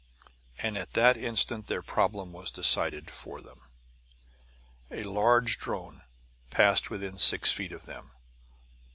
And at that instant their problem was decided for them. A large drone passed within six feet of them.